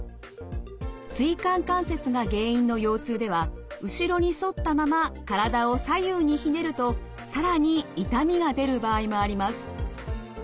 椎間関節が原因の腰痛では後ろに反ったまま体を左右にひねると更に痛みが出る場合もあります。